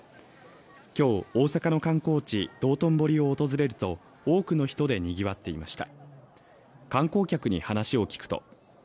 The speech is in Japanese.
今日、大阪の観光地・道頓堀を訪れると多くの人でにぎわっていました。